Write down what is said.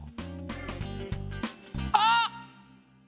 あっ！